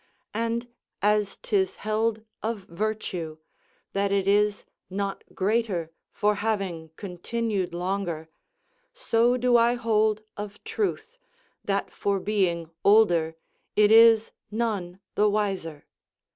And, as 'tis held of virtue, that it is not greater for having continued longer, so do I hold of truth, that for being older it is none the wiser.